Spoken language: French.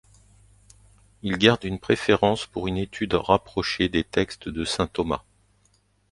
Il garde une préférence pour une étude rapprochée des textes de Saint Thomas.